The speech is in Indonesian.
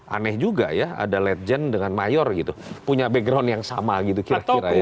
aneh juga ya ada legend dengan mayor gitu punya background yang sama gitu kira kira ya